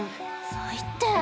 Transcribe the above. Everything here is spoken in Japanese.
最低。